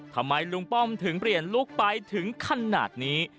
ทำไมลุงป้อมถึงเปลี่ยนลูกไปถึงขนาดนี้